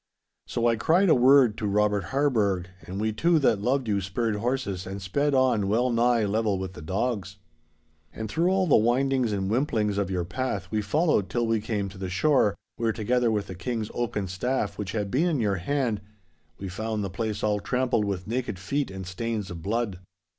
So I cried a word to Robert Harburgh, and we two that loved you spurred horses and sped on well nigh level with the dogs. 'And through all the windings and wimplings of your path we followed till we came to the shore, where, together with the King's oaken staff which had been in your hand, we found the place all trampled with naked feet and stains of blood.